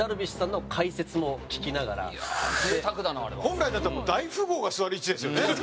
本来だったらもう大富豪が座る位置ですよね。